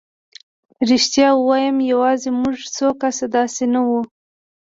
رښتیا ووایم یوازې موږ څو کسه داسې نه وو.